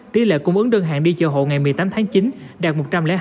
tí lệ cung ứng đơn hạn đi chợ hộ ngày một mươi tám tháng chín đạt một trăm linh hai tám